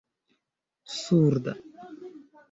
surda